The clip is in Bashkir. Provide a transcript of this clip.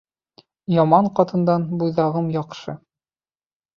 Яман ҡатындан буйҙағым яҡшы